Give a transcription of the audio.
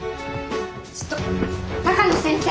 ちょっと鷹野先生！